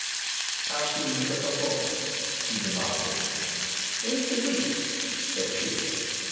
"How soon is the performance?" he demanded. "Wednesday week," said she.